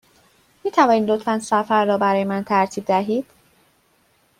می توانید لطفاً سفر را برای من ترتیب دهید؟